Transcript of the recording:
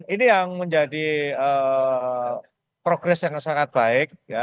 ini yang menjadi progres yang sangat baik